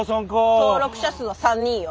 登録者数は３人よ。